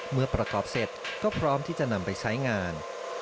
เมื่อประกอบเสร็จก็พร้อมที่จะนำไปใช้งาน